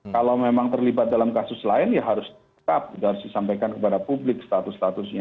kalau memang terlibat dalam kasus lain ya harus tetap harus disampaikan kepada publik status statusnya